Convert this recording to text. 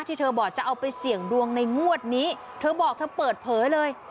ที่เธอบอกจะเอาไปเสี่ยงดวงในงวดนี้เธอบอกเธอเปิดเผยเลย